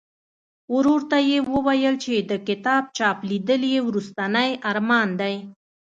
ورور ته یې ویل چې د کتاب چاپ لیدل یې وروستنی ارمان دی.